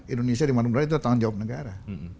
indonesia dimana mana itu tanggung jawab negara